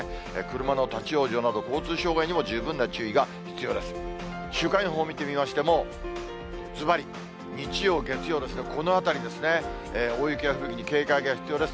車の立往生など、交通障害にも十分な注意が必要です。